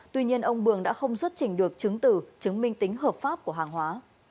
tuy nhiên ông bường đã không xuất trình được chứng tử chứng minh tính hợp pháp của hàng hóa